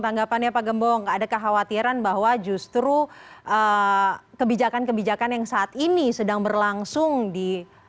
tanggapannya pak gembong ada kekhawatiran bahwa justru kebijakan kebijakan yang saat ini sedang berlangsung di